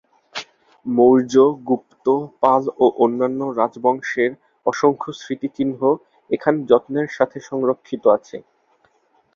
মৌর্য, গুপ্ত, পাল ও অন্যান্য রাজবংশের অসংখ্য স্মৃতিচিহ্ন এখানে যত্নের সঙ্গে সংরক্ষিত আছে।